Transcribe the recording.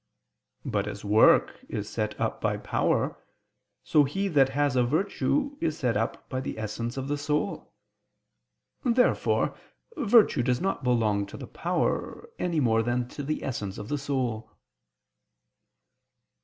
But as work is set up by power, so he that has a virtue is set up by the essence of the soul. Therefore virtue does not belong to the power, any more than to the essence of the soul.